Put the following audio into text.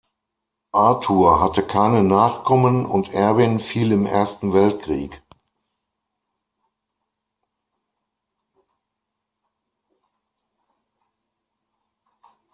Arthur hatte keine Nachkommen und Erwin fiel im Ersten Weltkrieg.